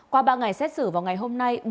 qua ba ngày xét xử vào ngày hôm nay